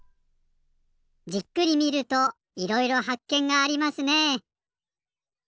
じっくり見るといろいろはっけんがありますね。